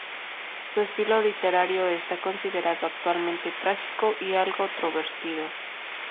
Su estilo literario está considerado actualmente "trágico" y "algo introvertido".